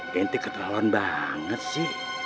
ganti keterlaluan banget sih